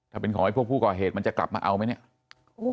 ถ้าเป็นของไอ้พวกผู้ก่อเหตุมันจะกลับมาเอาไหมเนี่ย